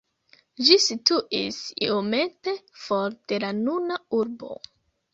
Ĝi situis iomete for de la nuna urbo.